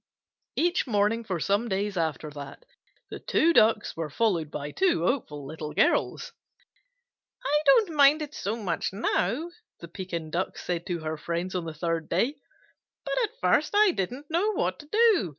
Each morning for some days after that, the two Ducks were followed by two hopeful Little Girls. "I don't mind it so much now," the Pekin Duck said to her friends on the third day, "but at first I didn't know what to do.